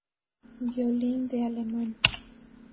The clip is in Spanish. Violín de Alemania".